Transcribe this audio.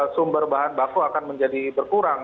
sumber bahan baku akan menjadi berkurang